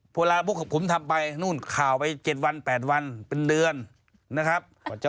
เวลาพวกผมทำไปนู่นข่าวไป๗วัน๘วันเป็นเดือนนะครับ